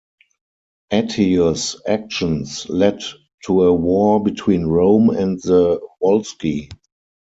Attius' actions led to a war between Rome and the Volsci.